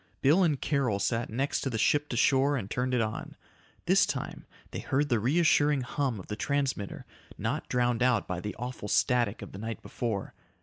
Bill and Carol sat next to the ship to shore and turned it on. This time they heard the reassuring hum of the transmitter, not drowned out by the awful static of the night before.